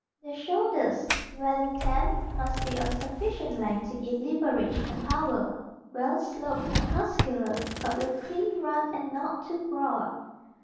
The shoulders (value 10) must be of sufficient length to give leverage and power, well sloped, muscular, but with clean run and not too broad.